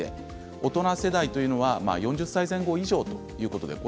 大人世代というのは４０歳前後以上ということにします。